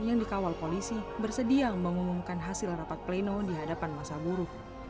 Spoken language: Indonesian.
yang dikawal polisi bersedia mengumumkan hasil rapat pleno di hadapan masa buruh